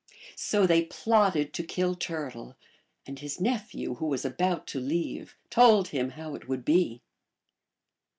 So they plotted to kill Turtle, and his nephew, who was about to leave, told him how it would be.